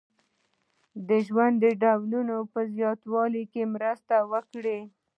د ژوند د ډولونو په زیاتوالي کې مرسته وکړي.